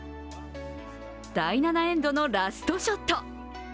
第７エンドのラストショット。